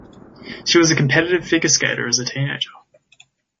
She was a competitive figure skater as a teenager.